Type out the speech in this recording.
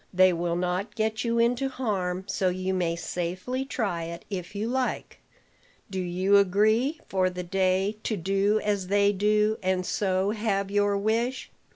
They will not get you into harm; so you may safely try it, if you like. Do you agree for the day to do as they do, and so have your wish?"